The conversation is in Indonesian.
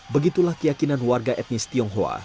begitulah keyakinan warga etnis tionghoa